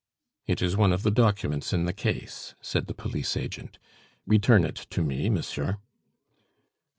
"It is one of the documents in the case," said the police agent; "return it to me, monsieur."